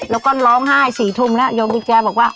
แล้วก็ร้องห้ายสีทุ่มนะเฮงคุมิค่าบอกว่า